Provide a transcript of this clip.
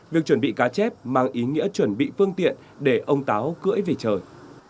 việc chuẩn bị cá chép mang ý nghĩa chuẩn bị phương tiện để ông táo cưỡi về trời